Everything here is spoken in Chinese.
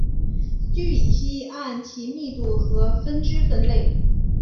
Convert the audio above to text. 聚乙烯按其密度和分支分类。